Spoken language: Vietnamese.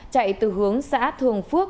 chạy từ hướng xã thường phước